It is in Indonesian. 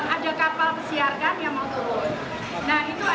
ada kapal pesiarkan yang mau turun